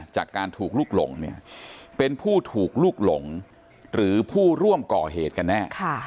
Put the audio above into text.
จากการถูกลุกหลงเนี่ยเป็นผู้ถูกลูกหลงหรือผู้ร่วมก่อเหตุกันแน่